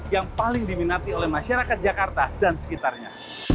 yang paling diminati oleh masyarakat jakarta dan sekitarnya